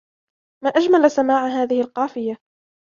ما أجمل سماع هذه القافية